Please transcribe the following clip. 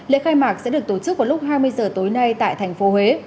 lễ khai mạc sẽ được tổ chức vào lúc hai mươi h tối nay tại thành phố huế